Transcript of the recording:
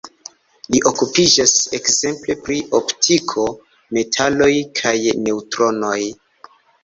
Li okupiĝas ekzemple pri optiko, metaloj kaj neŭtronoj.